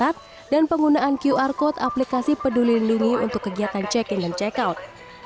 taman wisata candi borobudur juga melaksanakan qr code aplikasi peduli lindungi untuk kegiatan check in dan check out